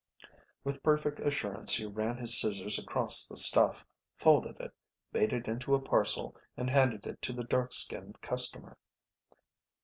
With perfect assurance he ran his scissors across the stuff, folded it, made it into a parcel, and handed it to the dark skinned customer.